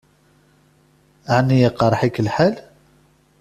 Ɛni iqṛeḥ-ik lḥal?